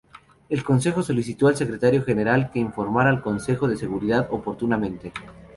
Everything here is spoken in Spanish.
El Consejo solicitó al Secretario General que informara al Consejo de Seguridad oportunamente.